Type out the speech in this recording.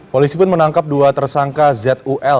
polisi pun menangkap dua tersangka zul dua ratus dua puluh tiga